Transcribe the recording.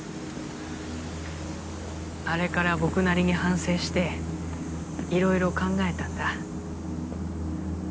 あれから僕なりに反省していろいろ考えたんだ。